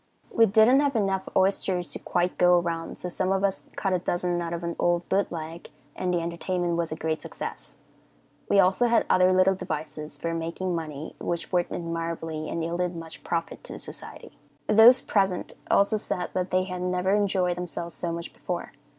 We didn't have enough oysters to quite go around, so some of us cut a dozen out of an old boot leg, and the entertainment was a great success. We also had other little devices for making money, which worked admirably and yielded much profit to the society. Those present also said that they had never enjoyed themselves so much before.